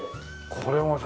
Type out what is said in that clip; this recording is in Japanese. これもさ